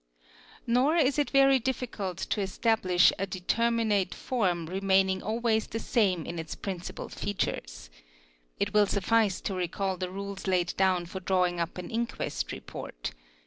Nor is it very difficult to establish a determinate form remaining always the same in its principal features. It will suffice to recall the : iles laid down for drawing up an inquest report.